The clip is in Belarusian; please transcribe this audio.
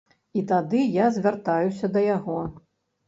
І тады я звяртаюся да яго.